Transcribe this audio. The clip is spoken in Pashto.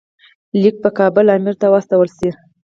لیک په کابل امیر ته واستول شي.